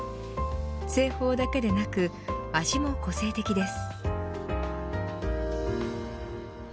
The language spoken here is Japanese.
製法だけでなく味も個性的です。